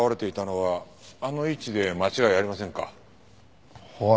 はい。